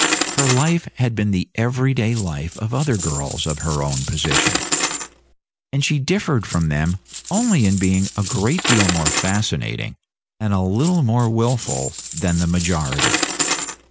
Her life had been the every day life of other girls of her own position, and she differed from them only in being a great deal more fascinating, and a little more wilful, than the majority.